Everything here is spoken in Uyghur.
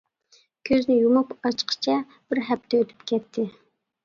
كۆزنى يۇمۇپ ئاچقىچە بىر ھەپتە ئۆتۈپ كەتتى.